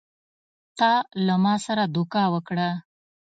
تا له ما سره دوکه وکړه!